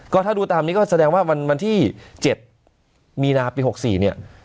ก็ถ้าดูตามนี้ก็แสดงว่าวันที่๗มีนาปี๖๔เนี่ย